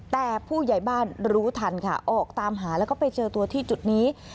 แต่ผู้ใหญ่บ้านรู้ทันค่ะออกตามหาแล้วก็ไปเจอตัวที่จุดนี้